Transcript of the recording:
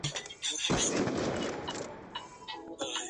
Fue interpretada por Robert Mitchum en el papel de Predicador.